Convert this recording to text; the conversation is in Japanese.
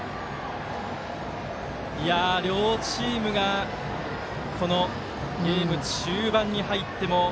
両チームがこのゲーム中盤に入っても。